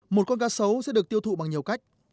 một con cá sấu sẽ được tiêu thụ bằng nhiều cách